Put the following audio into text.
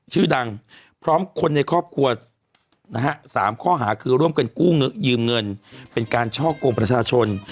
ชื่อดังพร้อมคนในครอบครัวนะฮะ๓ข้อหาคือร่วมกันกู้ยืมเงินเป็นการช่อกงประชาชน